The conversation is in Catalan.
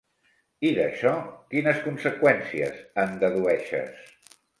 I d'això, quines conseqüències en dedueixes?